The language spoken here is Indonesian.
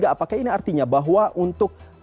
apakah ini artinya bahwa untuk